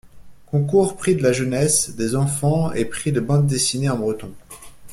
Concours Prix de la Jeunesse, des enfants, et prix de bandes-dessinées en breton.